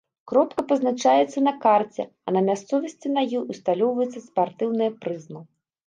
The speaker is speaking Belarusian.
Кропка пазначаецца на карце, а на мясцовасці на ёй усталёўваецца спартыўная прызма.